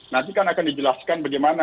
nanti kan akan dijelaskan bagaimana